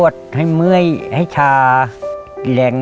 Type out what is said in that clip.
เสียไลน์